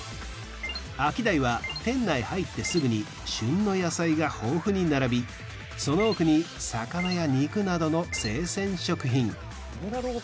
アキダイは店内入ってすぐに旬の野菜が豊富に並びその奥に魚や肉などの生鮮食品